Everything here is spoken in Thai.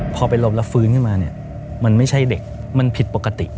พอไปล้มแล้วฟื้นขึ้นมาเนี่ยมันไม่ใช่เด็กมันผิดปกติ